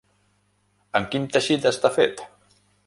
Amb quin teixit està fet?